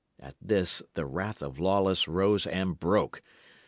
At this the wrath of Lawless rose and broke.